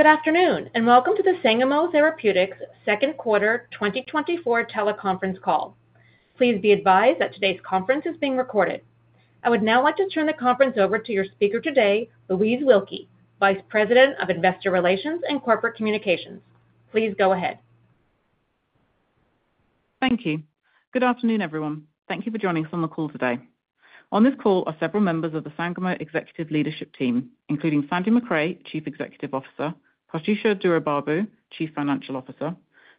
Good afternoon, and welcome to the Sangamo Therapeutics second quarter 2024 teleconference call. Please be advised that today's conference is being recorded. I would now like to turn the conference over to your speaker today, Louise Wilkie, Vice President of Investor Relations and Corporate Communications. Please go ahead. Thank you. Good afternoon, everyone. Thank you for joining us on the call today. On this call are several members of the Sangamo Executive Leadership Team, including Sandy Macrae, Chief Executive Officer, Prathyusha Duraibabu, Chief Financial Officer,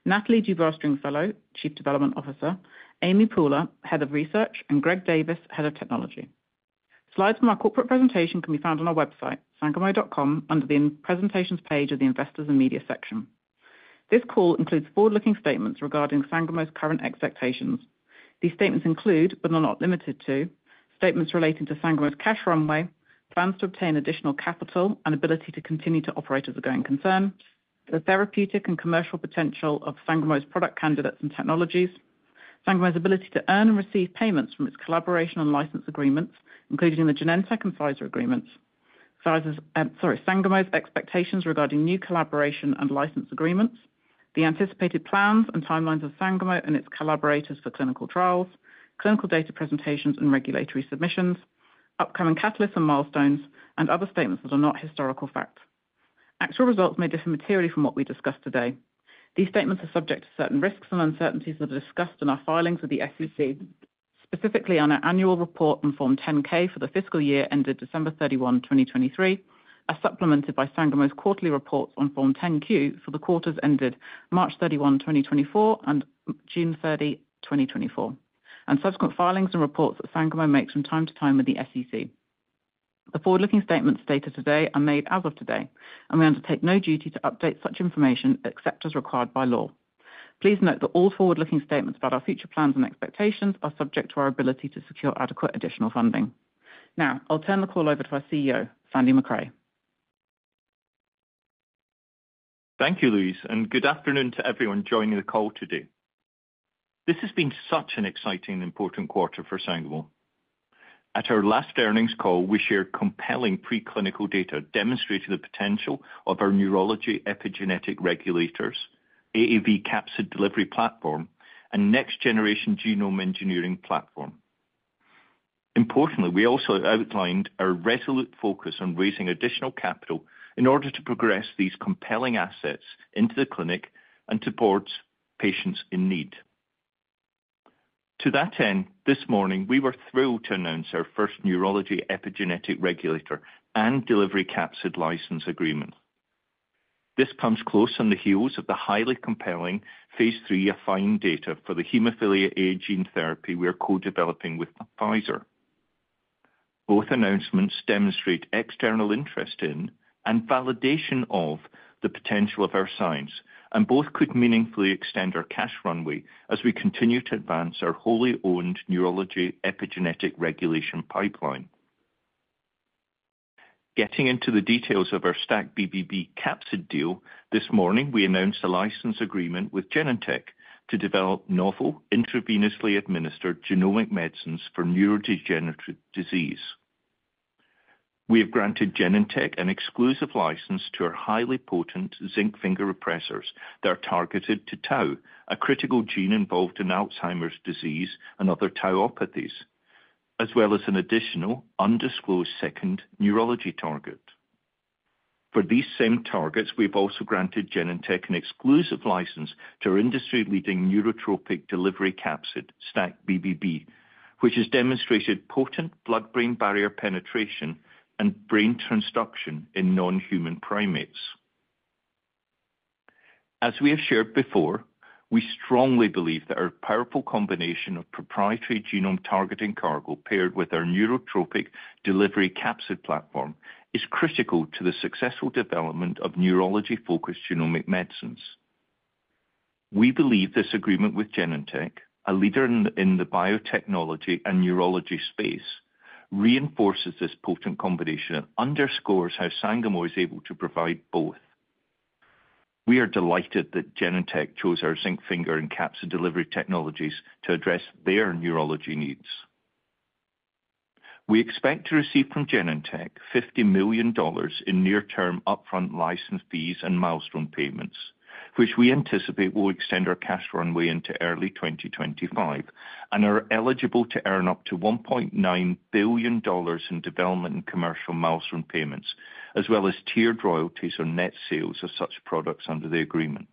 Nathalie Dubois-Stringfellow, Chief Development Officer, Amy Pooler, Head of Research, and Greg Davis, Head of Technology. Slides from our corporate presentation can be found on our website, sangamo.com, under the Presentations page of the Investors and Media section. This call includes forward-looking statements regarding Sangamo's current expectations. These statements include, but are not limited to, statements relating to Sangamo's cash runway, plans to obtain additional capital and ability to continue to operate as a going concern, the therapeutic and commercial potential of Sangamo's product candidates and technologies, Sangamo's ability to earn and receive payments from its collaboration and license agreements, including the Genentech and Pfizer agreements. Sangamo's expectations regarding new collaboration and license agreements, the anticipated plans and timelines of Sangamo and its collaborators for clinical trials, clinical data presentations and regulatory submissions, upcoming catalysts and milestones, and other statements that are not historical facts. Actual results may differ materially from what we discuss today. These statements are subject to certain risks and uncertainties that are discussed in our filings with the SEC, specifically on our annual report and Form 10-K for the fiscal year ended December 31, 2023, as supplemented by Sangamo's quarterly reports on Form 10-Q for the quarters ended March 31, 2024, and June 30, 2024, and subsequent filings and reports that Sangamo makes from time to time with the SEC. The forward-looking statements stated today are made as of today, and we undertake no duty to update such information except as required by law. Please note that all forward-looking statements about our future plans and expectations are subject to our ability to secure adequate additional funding. Now, I'll turn the call over to our CEO, Sandy Macrae. Thank you, Louise, and good afternoon to everyone joining the call today. This has been such an exciting and important quarter for Sangamo. At our last earnings call, we shared compelling preclinical data demonstrating the potential of our neurology epigenetic regulators, AAV capsid delivery platform, and next generation genome engineering platform. Importantly, we also outlined our resolute focus on raising additional capital in order to progress these compelling assets into the clinic and to support patients in need. To that end, this morning, we were thrilled to announce our first neurology epigenetic regulator and delivery capsid license agreement. This comes close on the heels of the highly compelling Phase 3 AFFINE data for the Hemophilia A gene therapy we are co-developing with Pfizer. Both announcements demonstrate external interest in and validation of the potential of our science, and both could meaningfully extend our cash runway as we continue to advance our wholly owned neurology epigenetic regulation pipeline. Getting into the details of our STAC-BBB capsid deal, this morning we announced a license agreement with Genentech to develop novel intravenously administered genomic medicines for neurodegenerative disease. We have granted Genentech an exclusive license to our highly potent zinc finger repressors that are targeted to Tau, a critical gene involved in Alzheimer's disease and other tauopathies, as well as an additional undisclosed second neurology target. For these same targets, we've also granted Genentech an exclusive license to our industry-leading neurotropic delivery capsid, STAC-BBB, which has demonstrated potent blood-brain barrier penetration and brain transduction in non-human primates. As we have shared before, we strongly believe that our powerful combination of proprietary genome-targeting cargo paired with our neurotropic delivery capsid platform is critical to the successful development of neurology-focused genomic medicines. We believe this agreement with Genentech, a leader in the biotechnology and neurology space, reinforces this potent combination and underscores how Sangamo is able to provide both. We are delighted that Genentech chose our zinc finger and capsid delivery technologies to address their neurology needs. We expect to receive from Genentech $50 million in near-term upfront license fees and milestone payments, which we anticipate will extend our cash runway into early 2025 and are eligible to earn up to $1.9 billion in development and commercial milestone payments, as well as tiered royalties on net sales of such products under the agreement.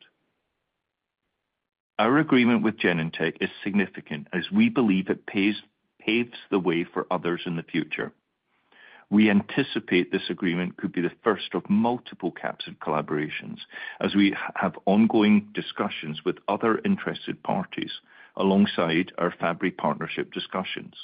Our agreement with Genentech is significant as we believe it paves the way for others in the future. We anticipate this agreement could be the first of multiple capsid collaborations as we have ongoing discussions with other interested parties alongside our Fabry partnership discussions.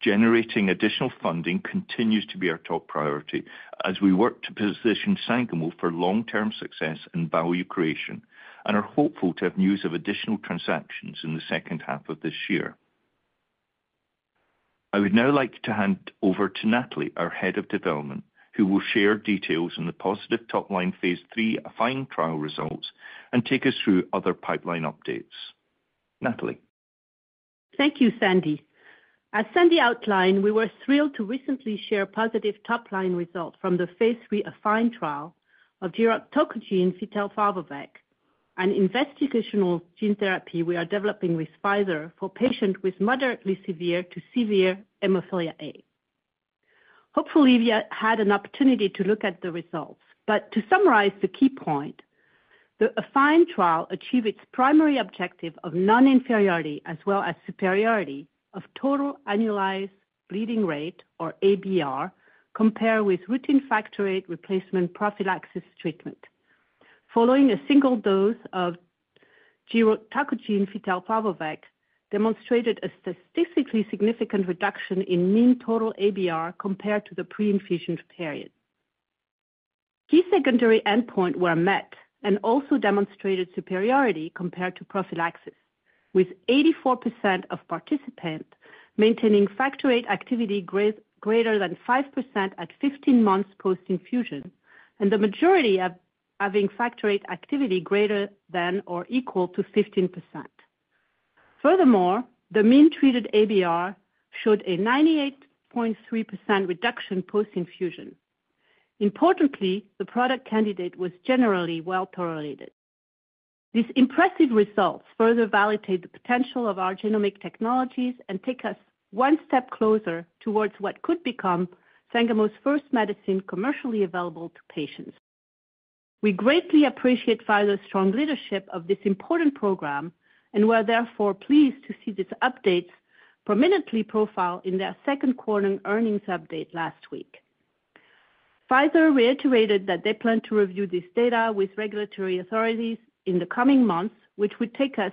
Generating additional funding continues to be our top priority as we work to position Sangamo for long-term success and value creation and are hopeful to have news of additional transactions in the second half of this year. I would now like to hand over to Nathalie, our Head of Development, who will share details on the positive top-line Phase 3 AFFINE trial results and take us through other pipeline updates. Nathalie?... Thank you, Sandy. As Sandy outlined, we were thrilled to recently share positive top-line results from the Phase 3 AFFINE trial of giroctocogene fitelparvovec, an investigational gene therapy we are developing with Pfizer for patients with moderately severe to severe Hemophilia A. Hopefully, you had an opportunity to look at the results, but to summarize the key point, the AFFINE trial achieved its primary objective of non-inferiority as well as superiority of total annualized bleeding rate, or ABR, compared with routine Factor VIII replacement prophylaxis treatment. Following a single dose of giroctocogene fitelparvovec demonstrated a statistically significant reduction in mean total ABR compared to the pre-infusion period. Key secondary endpoint were met and also demonstrated superiority compared to prophylaxis, with 84% of participants maintaining Factor VIII activity greater than 5% at 15 months post-infusion, and the majority of having Factor VIII activity greater than or equal to 15%. Furthermore, the mean treated ABR showed a 98.3% reduction post-infusion. Importantly, the product candidate was generally well tolerated. These impressive results further validate the potential of our genomic technologies and take us one step closer towards what could become Sangamo's first medicine commercially available to patients. We greatly appreciate Pfizer's strong leadership of this important program, and we are therefore pleased to see these updates prominently profiled in their second quarter earnings update last week. Pfizer reiterated that they plan to review this data with regulatory authorities in the coming months, which would take us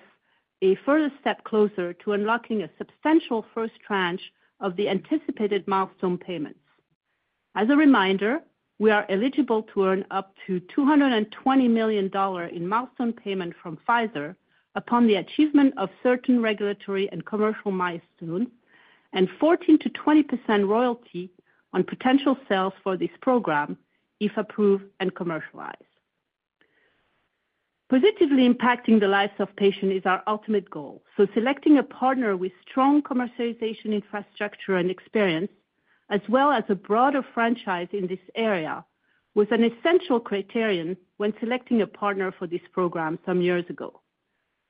a further step closer to unlocking a substantial first tranche of the anticipated milestone payments. As a reminder, we are eligible to earn up to $220 million in milestone payment from Pfizer upon the achievement of certain regulatory and commercial milestones, and 14%-20% royalty on potential sales for this program if approved and commercialized. Positively impacting the lives of patients is our ultimate goal, so selecting a partner with strong commercialization, infrastructure, and experience, as well as a broader franchise in this area, was an essential criterion when selecting a partner for this program some years ago.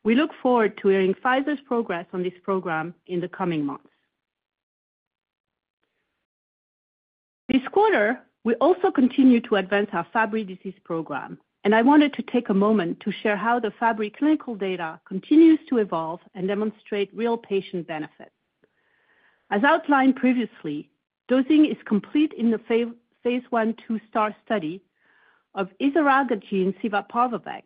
We look forward to hearing Pfizer's progress on this program in the coming months. This quarter, we also continued to advance our Fabry disease program, and I wanted to take a moment to share how the Fabry clinical data continues to evolve and demonstrate real patient benefit. As outlined previously, dosing is complete in the Phase 1/2 STAR study of iseragogene civparvovec,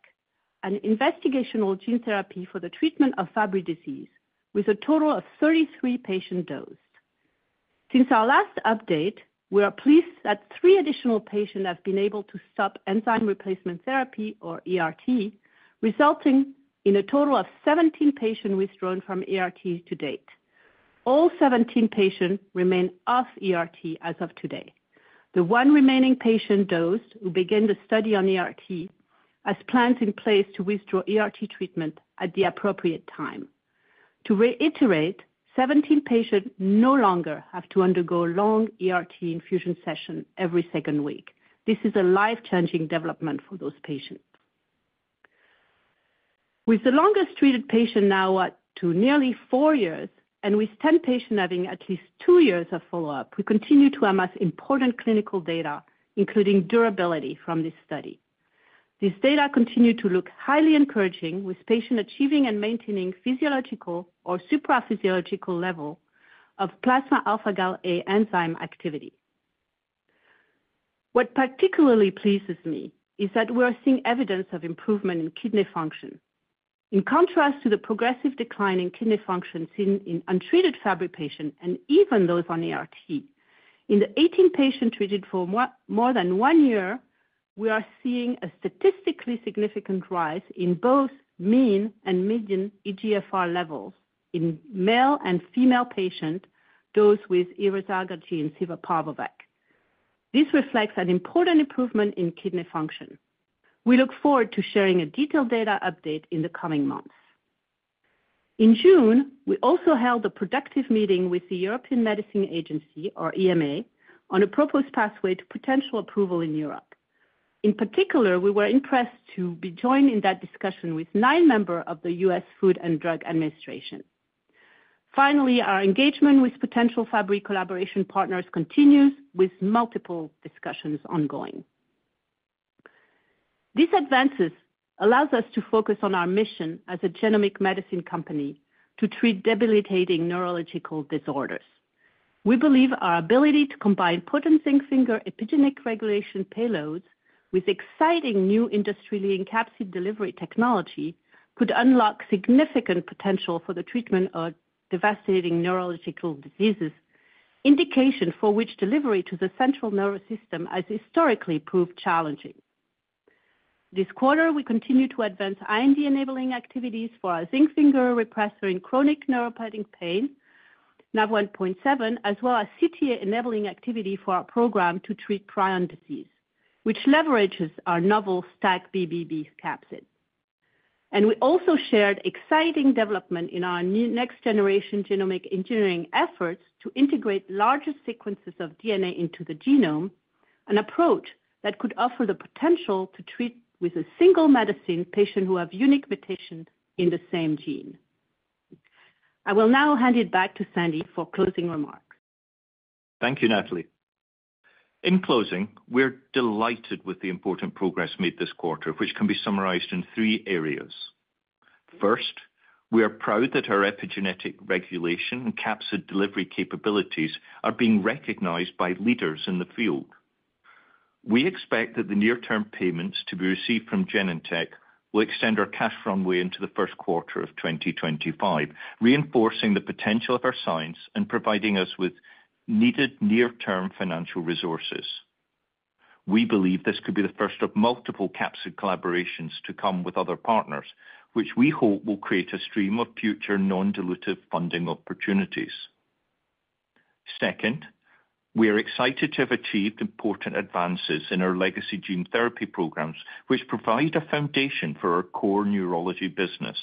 an investigational gene therapy for the treatment of Fabry disease, with a total of 33 patients dosed. Since our last update, we are pleased that three additional patients have been able to stop enzyme replacement therapy, or ERT, resulting in a total of 17 patients withdrawn from ERT to date. All 17 patients remain off ERT as of today. The one remaining patient dosed, who began the study on ERT, has plans in place to withdraw ERT treatment at the appropriate time. To reiterate, 17 patients no longer have to undergo long ERT infusion sessions every second week. This is a life-changing development for those patients. With the longest-treated patient now up to nearly 4 years, and with 10 patients having at least 2 years of follow-up, we continue to amass important clinical data, including durability, from this study. These data continue to look highly encouraging, with patients achieving and maintaining physiological or supraphysiological level of plasma alpha-gal A enzyme activity. What particularly pleases me is that we are seeing evidence of improvement in kidney function. In contrast to the progressive decline in kidney function seen in untreated Fabry patients and even those on ERT, in the 18 patients treated for more than 1 year, we are seeing a statistically significant rise in both mean and median eGFR levels in male and female patients, those with Iseragogene civparvovec. This reflects an important improvement in kidney function. We look forward to sharing a detailed data update in the coming months. In June, we also held a productive meeting with the European Medicines Agency, or EMA, on a proposed pathway to potential approval in Europe. In particular, we were impressed to be joined in that discussion with nine members of the U.S. Food and Drug Administration. Finally, our engagement with potential Fabry collaboration partners continues, with multiple discussions ongoing. These advances allows us to focus on our mission as a genomic medicine company to treat debilitating neurological disorders. We believe our ability to combine potent zinc finger epigenetic regulation payloads with exciting new industry-leading capsid delivery technology could unlock significant potential for the treatment of devastating neurological diseases, indication for which delivery to the central nervous system has historically proved challenging. This quarter, we continued to advance IND-enabling activities for our zinc finger repressor in chronic neuropathic pain-... Nav1.7, as well as CTA enabling activity for our program to treat prion disease, which leverages our novel STAC-BBB capsid. We also shared exciting development in our new next generation genomic engineering efforts to integrate larger sequences of DNA into the genome, an approach that could offer the potential to treat with a single medicine patient who have unique mutations in the same gene. I will now hand it back to Sandy for closing remarks. Thank you, Nathalie. In closing, we're delighted with the important progress made this quarter, which can be summarized in three areas. First, we are proud that our epigenetic regulation and capsid delivery capabilities are being recognized by leaders in the field. We expect that the near-term payments to be received from Genentech will extend our cash runway into the first quarter of 2025, reinforcing the potential of our science and providing us with needed near-term financial resources. We believe this could be the first of multiple capsid collaborations to come with other partners, which we hope will create a stream of future non-dilutive funding opportunities. Second, we are excited to have achieved important advances in our legacy gene therapy programs, which provide a foundation for our core neurology business.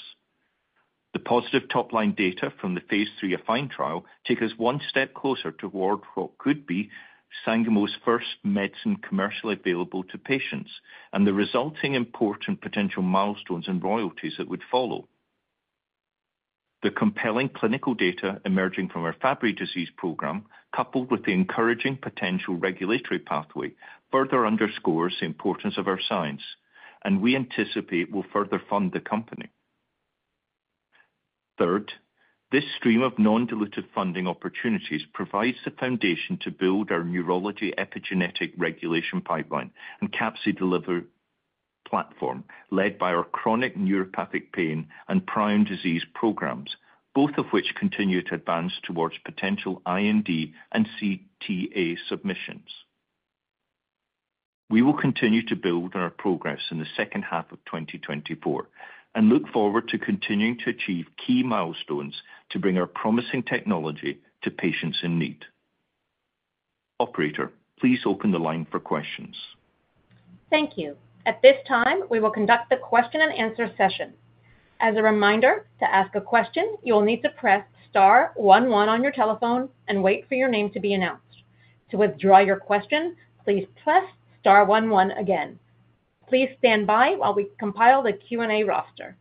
The positive top-line data from the Phase 3 AFFINE trial take us one step closer toward what could be Sangamo's first medicine commercially available to patients, and the resulting important potential milestones and royalties that would follow. The compelling clinical data emerging from our Fabry disease program, coupled with the encouraging potential regulatory pathway, further underscores the importance of our science, and we anticipate will further fund the company. Third, this stream of non-dilutive funding opportunities provides the foundation to build our neurology epigenetic regulation pipeline and capsid delivery platform, led by our chronic neuropathic pain and prion disease programs, both of which continue to advance towards potential IND and CTA submissions. We will continue to build on our progress in the second half of 2024 and look forward to continuing to achieve key milestones to bring our promising technology to patients in need. Operator, please open the line for questions. Thank you. At this time, we will conduct the question-and-answer session. As a reminder, to ask a question, you will need to press star one one on your telephone and wait for your name to be announced. To withdraw your question, please press star one one again. Please stand by while we compile the Q&A roster.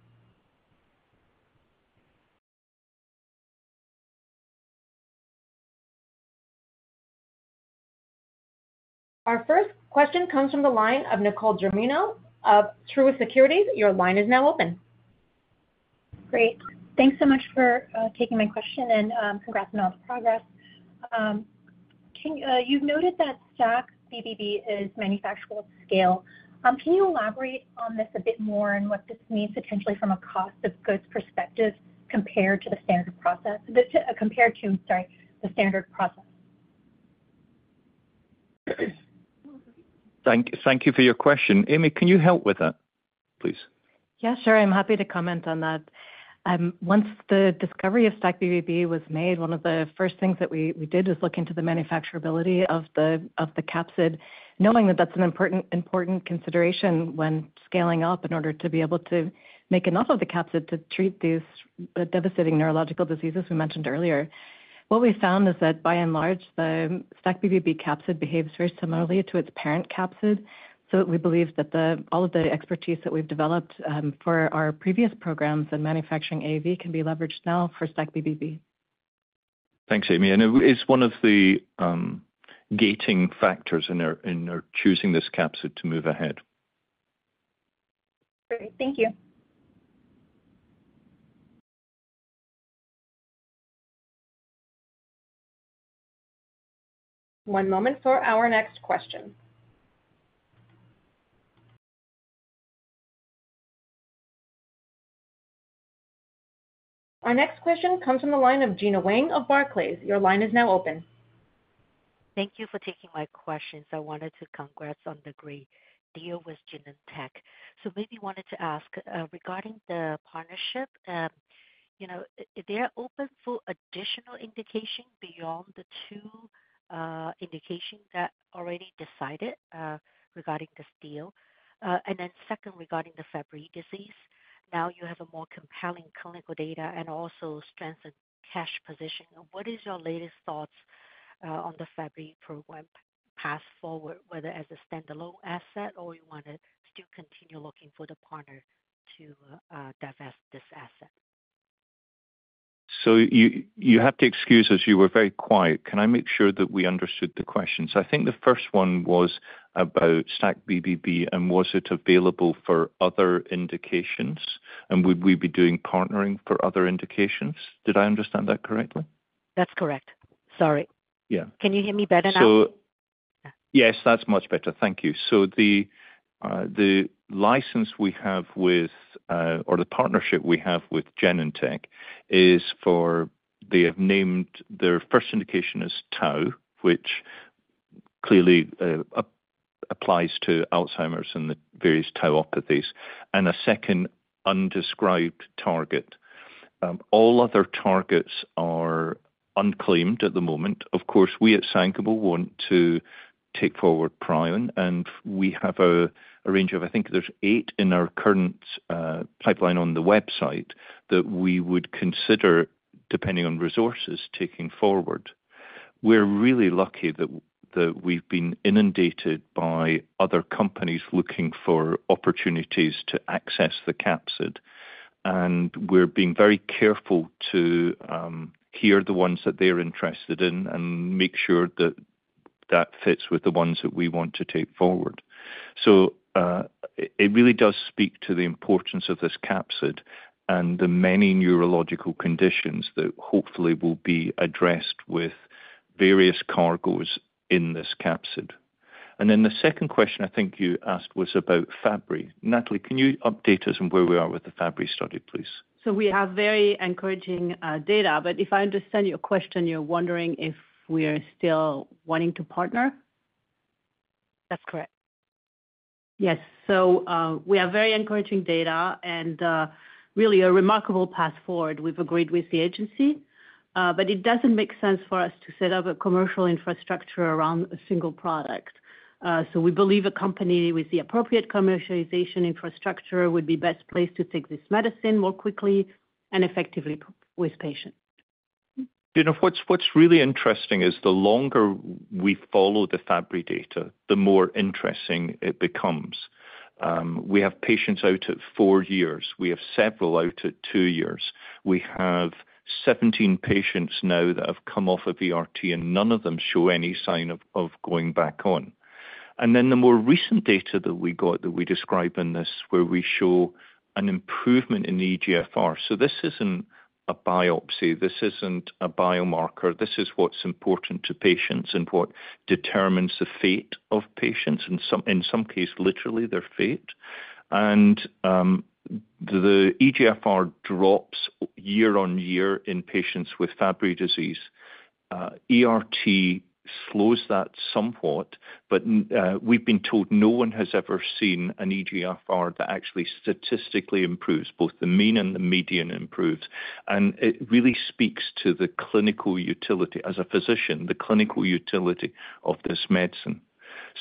Our first question comes from the line of Nicole Germino of Truist Securities. Your line is now open. Great. Thanks so much for taking my question, and congrats on all the progress. Can you've noted that STAC-BBB is manufacturable at scale. Can you elaborate on this a bit more and what this means potentially from a cost of goods perspective compared to the standard process? The compared to, sorry, the standard process. Thank you for your question. Amy, can you help with that, please? Yeah, sure. I'm happy to comment on that. Once the discovery of STAC-BBB was made, one of the first things that we did was look into the manufacturability of the capsid, knowing that that's an important consideration when scaling up in order to be able to make enough of the capsid to treat these devastating neurological diseases we mentioned earlier. What we found is that by and large, the STAC-BBB capsid behaves very similarly to its parent capsid, so we believe that the all of the expertise that we've developed for our previous programs and manufacturing AAV can be leveraged now for STAC-BBB. Thanks, Amy, and it is one of the gating factors in our choosing this capsid to move ahead. Great. Thank you. One moment for our next question. Our next question comes from the line of Gena Wang of Barclays. Your line is now open. Thank you for taking my questions. I wanted to congrats on the great deal with Genentech. So maybe wanted to ask, regarding the partnership, you know, is there open for additional indication beyond the two indications that already decided, regarding this deal? And then second, regarding the Fabry disease, now you have a more compelling clinical data and also strengthened cash position. What is your latest thoughts on the Fabry program path forward, whether as a standalone asset or you wanted to still continue looking for the partner to divest this asset? So you have to excuse us, you were very quiet. Can I make sure that we understood the questions? I think the first one was about STAC-BBB, and was it available for other indications, and would we be doing partnering for other indications? Did I understand that correctly? That's correct. Sorry. Yeah. Can you hear me better now? Yes, that's much better. Thank you. So the license we have with or the partnership we have with Genentech is for, they have named their first indication as Tau, which clearly applies to Alzheimer's and the various Tauopathies, and a second undescribed target. All other targets are unclaimed at the moment. Of course, we at Sangamo want to take forward prion, and we have a range of, I think there's eight in our current pipeline on the website, that we would consider, depending on resources, taking forward. We're really lucky that we've been inundated by other companies looking for opportunities to access the capsid. And we're being very careful to hear the ones that they're interested in and make sure that that fits with the ones that we want to take forward. So, it really does speak to the importance of this capsid and the many neurological conditions that hopefully will be addressed with various cargoes in this capsid. And then the second question I think you asked was about Fabry. Nathalie, can you update us on where we are with the Fabry study, please? We have very encouraging data, but if I understand your question, you're wondering if we are still wanting to partner? That's correct. Yes. So, we have very encouraging data and, really a remarkable path forward. We've agreed with the agency, but it doesn't make sense for us to set up a commercial infrastructure around a single product. So we believe a company with the appropriate commercialization infrastructure would be best placed to take this medicine more quickly and effectively with patients. You know, what's really interesting is the longer we follow the Fabry data, the more interesting it becomes. We have patients out at four years. We have several out at two years. We have 17 patients now that have come off of ERT, and none of them show any sign of going back on. And then the more recent data that we got, that we describe in this, where we show an improvement in the eGFR. So this isn't a biopsy, this isn't a biomarker, this is what's important to patients and what determines the fate of patients, in some case, literally their fate. And the eGFR drops year on year in patients with Fabry disease. ERT slows that somewhat. We've been told no one has ever seen an eGFR that actually statistically improves, both the mean and the median improves. And it really speaks to the clinical utility, as a physician, the clinical utility of this medicine.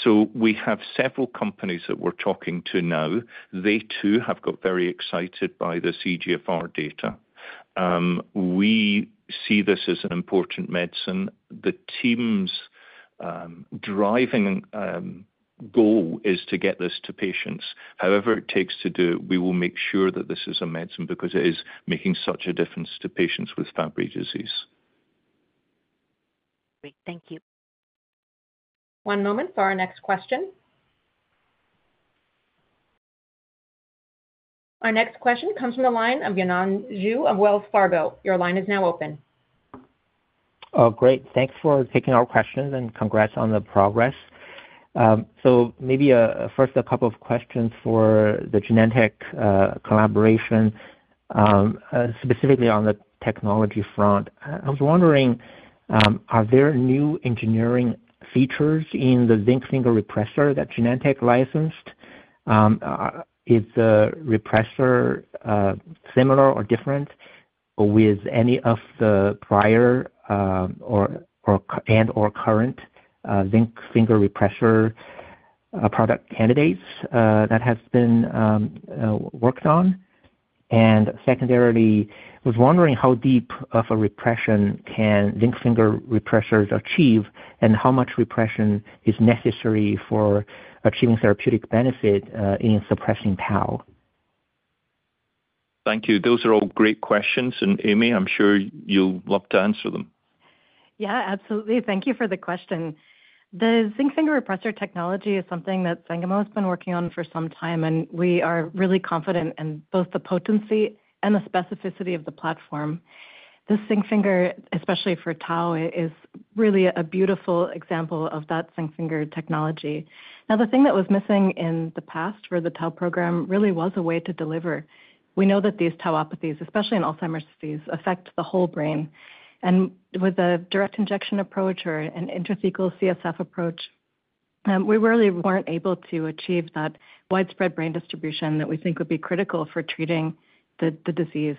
So we have several companies that we're talking to now. They, too, have got very excited by this eGFR data. We see this as an important medicine. The team's driving goal is to get this to patients. However it takes to do it, we will make sure that this is a medicine, because it is making such a difference to patients with Fabry disease. Great. Thank you. One moment for our next question. Our next question comes from the line of Yinan Xu of Wells Fargo. Your line is now open. Oh, great. Thanks for taking our questions, and congrats on the progress. So maybe first, a couple of questions for the Genentech collaboration, specifically on the technology front. I was wondering, are there new engineering features in the zinc finger repressor that Genentech licensed? Is the repressor similar or different with any of the prior or current zinc finger repressor product candidates that has been worked on? And secondarily, I was wondering how deep of a repression can zinc finger repressors achieve, and how much repression is necessary for achieving therapeutic benefit in suppressing tau? Thank you. Those are all great questions, and Amy, I'm sure you'll love to answer them. Yeah, absolutely. Thank you for the question. The zinc finger repressor technology is something that Sangamo has been working on for some time, and we are really confident in both the potency and the specificity of the platform. The zinc finger, especially for tau, is really a beautiful example of that zinc finger technology. Now, the thing that was missing in the past for the tau program really was a way to deliver. We know that these tauopathies, especially in Alzheimer's disease, affect the whole brain, and with a direct injection approach or an intrathecal CSF approach, we really weren't able to achieve that widespread brain distribution that we think would be critical for treating the disease.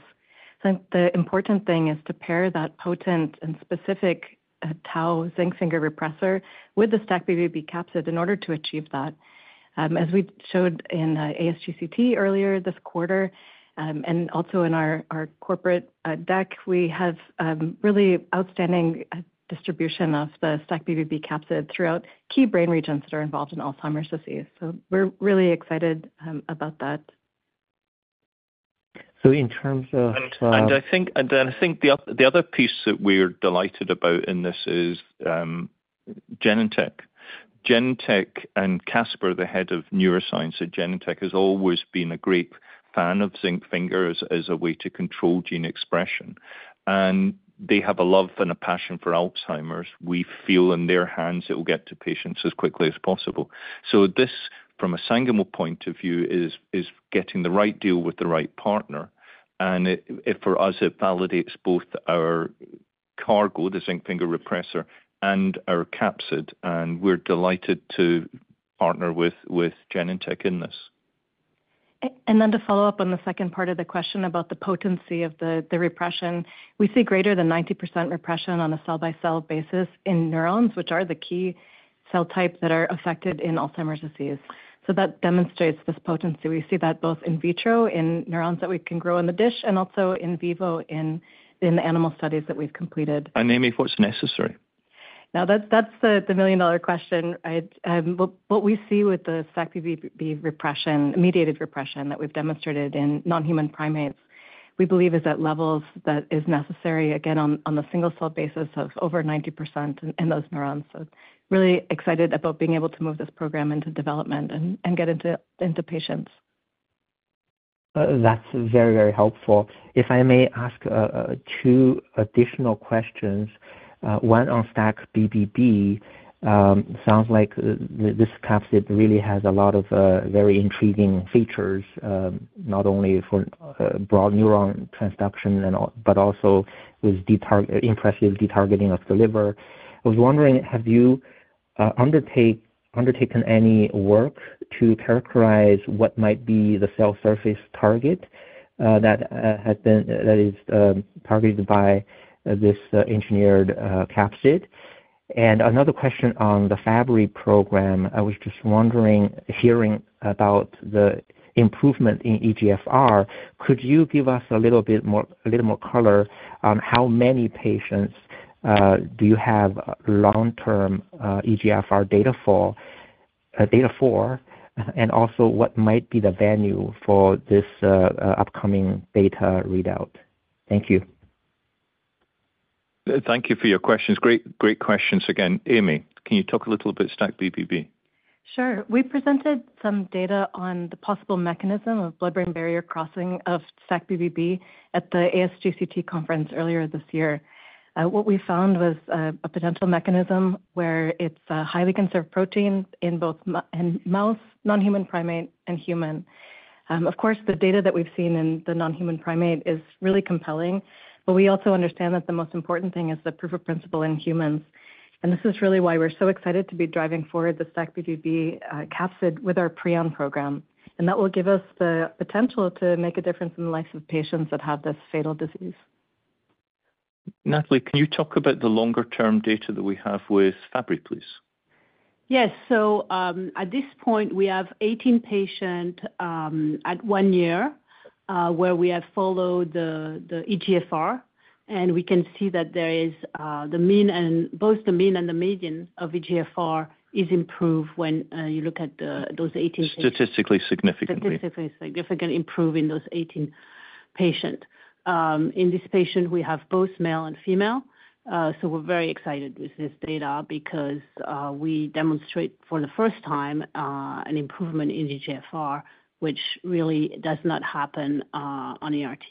So the important thing is to pair that potent and specific tau zinc finger repressor with the STAC-BBB capsid in order to achieve that. As we showed in ASGCT earlier this quarter, and also in our corporate deck, we have really outstanding distribution of the STAC-BBB capsid throughout key brain regions that are involved in Alzheimer's disease. So we're really excited about that. So in terms of, I think the other piece that we're delighted about in this is Genentech. Genentech and Casper Hoogenraad, the head of neuroscience at Genentech, has always been a great fan of zinc finger as a way to control gene expression. And they have a love and a passion for Alzheimer's. We feel in their hands it will get to patients as quickly as possible. So this, from a Sangamo point of view, is getting the right deal with the right partner, and it... For us, it validates both our cargo, the zinc finger repressor, and our capsid, and we're delighted to partner with Genentech in this. ... and then to follow up on the second part of the question about the potency of the repression, we see greater than 90% repression on a cell-by-cell basis in neurons, which are the key cell types that are affected in Alzheimer's disease. So that demonstrates this potency. We see that both in vitro, in neurons that we can grow in the dish, and also in vivo, in the animal studies that we've completed. Amy, what's necessary? Now, that's the million-dollar question. I, what we see with the STAC-BBB mediated repression that we've demonstrated in non-human primates, we believe is at levels that is necessary, again, on the single cell basis of over 90% in those neurons. So really excited about being able to move this program into development and get into patients. That's very, very helpful. If I may ask, two additional questions, one on STAC-BBB. Sounds like this capsid really has a lot of very intriguing features, not only for broad neuron transduction and all, but also with impressive detargeting of the liver. I was wondering, have you undertaken any work to characterize what might be the cell surface target that is targeted by this engineered capsid? And another question on the Fabry program. I was just wondering, hearing about the improvement in eGFR, could you give us a little bit more -- a little more color on how many patients do you have long-term eGFR data for? And also, what might be the value for this upcoming data readout? Thank you. Thank you for your questions. Great, great questions again. Amy, can you talk a little about STAC-BBB? Sure. We presented some data on the possible mechanism of blood-brain barrier crossing of STAC-BBB at the ASGCT conference earlier this year. What we found was a potential mechanism where it's a highly conserved protein in both in mouse, non-human primate, and human. Of course, the data that we've seen in the non-human primate is really compelling, but we also understand that the most important thing is the proof of principle in humans. And this is really why we're so excited to be driving forward the STAC-BBB capsid with our Prion program. And that will give us the potential to make a difference in the lives of patients that have this fatal disease. Nathalie, can you talk about the longer-term data that we have with Fabry, please? Yes. So, at this point, we have 18 patients at one year, where we have followed the eGFR, and we can see that the mean and the median of eGFR is improved when you look at those 18- Statistically significant. Statistically significant improvement in those 18 patients. In this patient, we have both male and female. So we're very excited with this data because we demonstrate for the first time an improvement in eGFR, which really does not happen on ERT.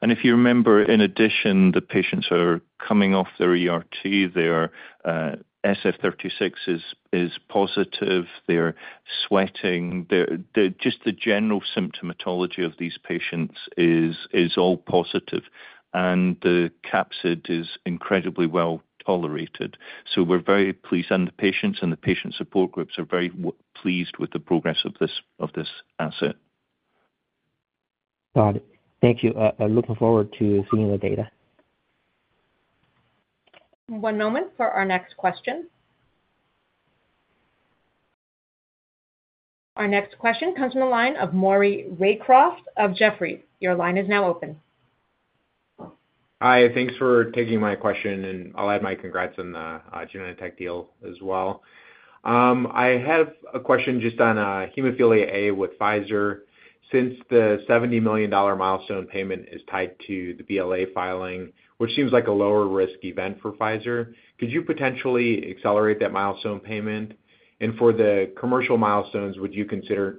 And if you remember, in addition, the patients are coming off their ERT, their SF-36 is positive, they're sweating, they're just the general symptomatology of these patients is all positive, and the capsid is incredibly well-tolerated. So we're very pleased, and the patients and the patient support groups are very pleased with the progress of this, of this asset. Got it. Thank you. Looking forward to seeing the data. One moment for our next question. Our next question comes from the line of Maury Raycroft of Jefferies. Your line is now open. Hi, thanks for taking my question, and I'll add my congrats on the Genentech deal as well. I have a question just on hemophilia A with Pfizer. Since the $70 million milestone payment is tied to the BLA filing, which seems like a lower risk event for Pfizer, could you potentially accelerate that milestone payment? And for the commercial milestones, would you consider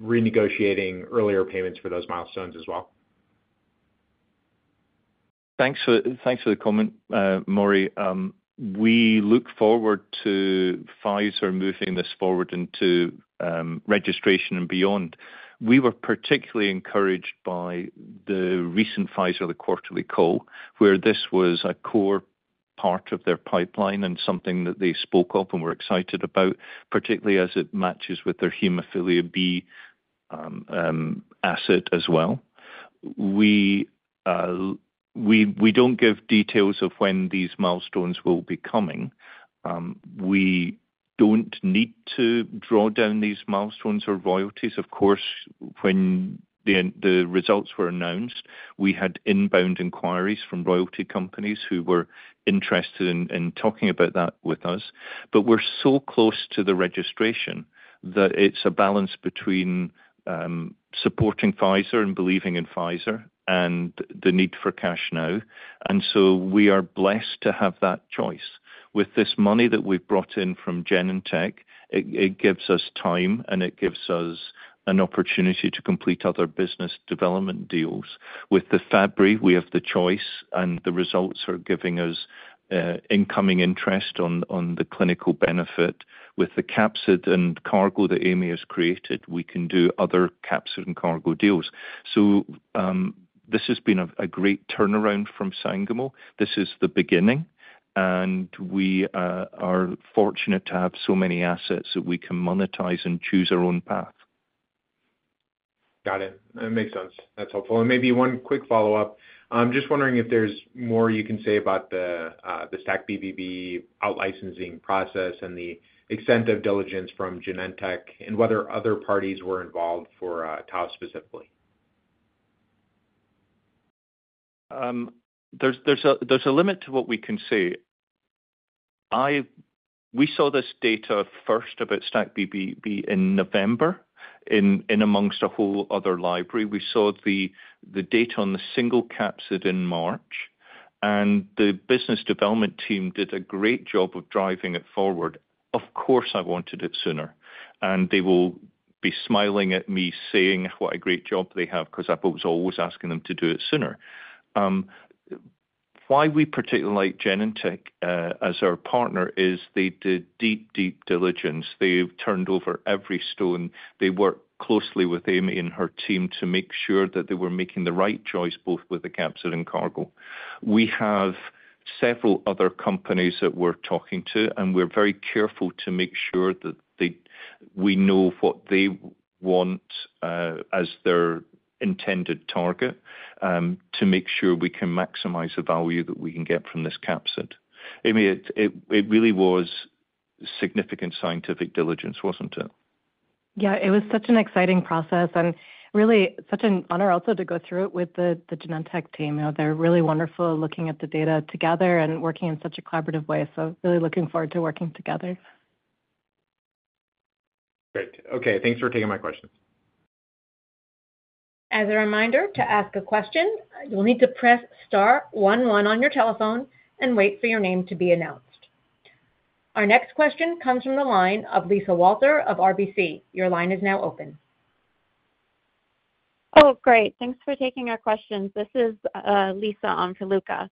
renegotiating earlier payments for those milestones as well? Thanks for, thanks for the comment, Maury. We look forward to Pfizer moving this forward into registration and beyond. We were particularly encouraged by the recent Pfizer quarterly call, where this was a core part of their pipeline and something that they spoke of and were excited about, particularly as it matches with their hemophilia B asset as well. We don't give details of when these milestones will be coming. We don't need to draw down these milestones or royalties. Of course, when the results were announced, we had inbound inquiries from royalty companies who were interested in talking about that with us. But we're so close to the registration, that it's a balance between supporting Pfizer and believing in Pfizer and the need for cash now. And so we are blessed to have that choice. With this money that we've brought in from Genentech, it gives us time, and it gives us an opportunity to complete other business development deals. With the Fabry, we have the choice, and the results are giving us incoming interest on the clinical benefit. With the capsid and cargo that Amy has created, we can do other capsid and cargo deals. So, this has been a great turnaround from Sangamo. This is the beginning, and we are fortunate to have so many assets that we can monetize and choose our own path. Got it. Makes sense. That's helpful. And maybe one quick follow-up. I'm just wondering if there's more you can say about the STAC-BBB out licensing process and the extent of diligence from Genentech, and whether other parties were involved for Tau specifically? There's a limit to what we can say. We saw this data first about STAC-BBB in November, amongst a whole other library. We saw the data on the single capsid in March, and the business development team did a great job of driving it forward. Of course, I wanted it sooner, and they will be smiling at me, saying what a great job they have, 'cause I was always asking them to do it sooner. Why we particularly like Genentech as our partner is they did deep, deep diligence. They've turned over every stone. They worked closely with Amy and her team to make sure that they were making the right choice, both with the capsid and cargo. We have several other companies that we're talking to, and we're very careful to make sure that they we know what they want as their intended target to make sure we can maximize the value that we can get from this capsid. Amy, it really was significant scientific diligence, wasn't it? Yeah. It was such an exciting process, and really such an honor also to go through it with the Genentech team. You know, they're really wonderful looking at the data together and working in such a collaborative way, so really looking forward to working together. Great. Okay, thanks for taking my questions. As a reminder, to ask a question, you'll need to press star one one on your telephone and wait for your name to be announced. Our next question comes from the line of Lisa Walter of RBC. Your line is now open. Oh, great. Thanks for taking our questions. This is, Lisa on for Luca.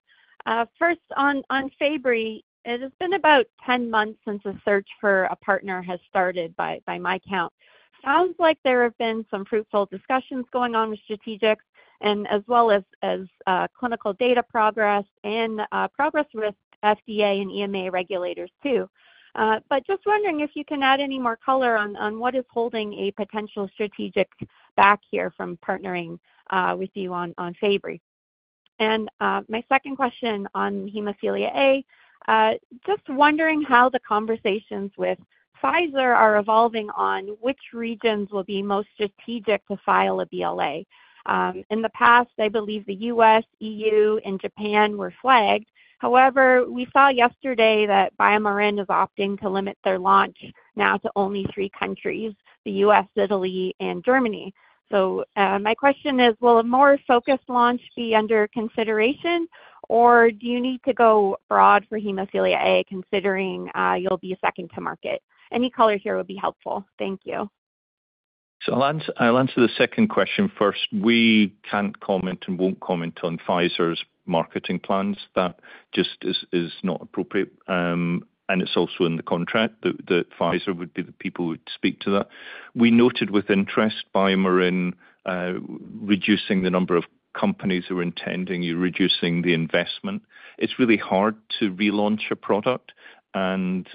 First, on Fabry, it has been about 10 months since the search for a partner has started, by my count. Sounds like there have been some fruitful discussions going on with strategic and as well as, as, clinical data progress and, progress with FDA and EMA regulators, too. But just wondering if you can add any more color on, on what is holding a potential strategic back here from partnering, with you on, Fabry? And, my second question on hemophilia A. Just wondering how the conversations with Pfizer are evolving on which regions will be most strategic to file a BLA. In the past, I believe the U.S., EU, and Japan were flagged. However, we saw yesterday that BioMarin is opting to limit their launch now to only three countries, the U.S., Italy, and Germany. So, my question is: Will a more focused launch be under consideration, or do you need to go broad for hemophilia A, considering you'll be second to market? Any color here would be helpful. Thank you. I'll answer the second question first. We can't comment and won't comment on Pfizer's marketing plans. That just is not appropriate. And it's also in the contract that Pfizer would be the people who would speak to that. We noted with interest BioMarin reducing the number of companies who are intending, reducing the investment. It's really hard to relaunch a product, and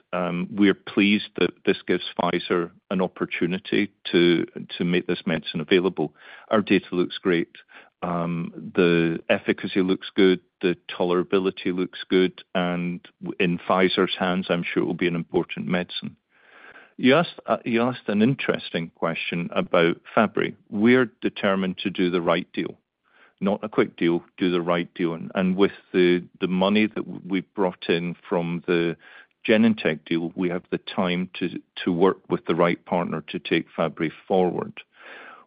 we're pleased that this gives Pfizer an opportunity to make this medicine available. Our data looks great. The efficacy looks good, the tolerability looks good, and in Pfizer's hands, I'm sure it will be an important medicine. You asked an interesting question about Fabry. We're determined to do the right deal, not a quick deal, do the right deal. With the money that we brought in from the Genentech deal, we have the time to work with the right partner to take Fabry forward.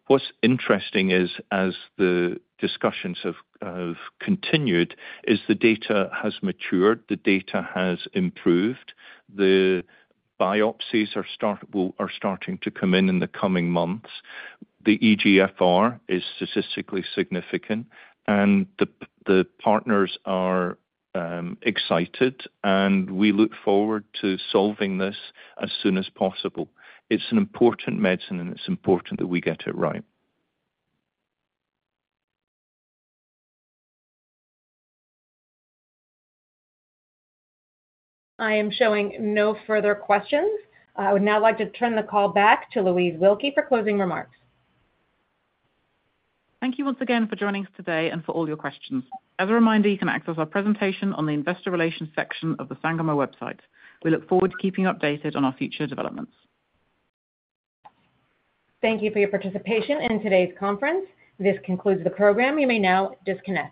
What's interesting is, as the discussions have continued, the data has matured, the data has improved. The biopsies are starting to come in in the coming months. The eGFR is statistically significant, and the partners are excited, and we look forward to solving this as soon as possible. It's an important medicine, and it's important that we get it right. I am showing no further questions. I would now like to turn the call back to Louise Wilkie for closing remarks. Thank you once again for joining us today and for all your questions. As a reminder, you can access our presentation on the investor relations section of the Sangamo website. We look forward to keeping you updated on our future developments. Thank you for your participation in today's conference. This concludes the program. You may now disconnect.